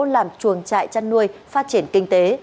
làm chuồng trại chăn nuôi phát triển kinh tế